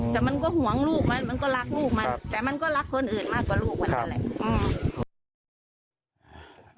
แต่มันก็ห่วงลูกมันมันก็รักลูกมันแต่มันก็รักคนอื่นมากกว่าลูกมันนั่นแหละ